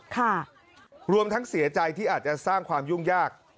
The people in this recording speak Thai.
รวมทั้งเสียใจที่อาจจะสร้างความยุ่งยาก